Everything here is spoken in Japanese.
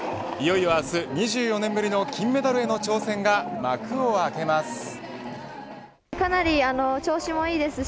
いよいよ明日２４年ぶりの金メダルへの挑戦が幕を開けます。